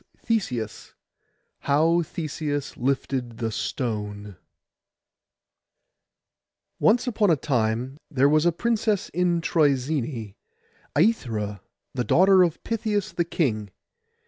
—THESEUS PART I HOW THESEUS LIFTED THE STONE Once upon a time there was a princess in Trœzene, Aithra, the daughter of Pittheus the king.